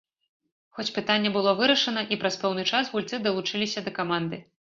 Хоць пытанне было вырашана, і праз пэўны час гульцы далучыліся да каманды.